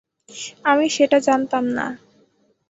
আমি সেটা জানতাম না।